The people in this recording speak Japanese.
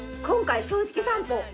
今回『正直さんぽ』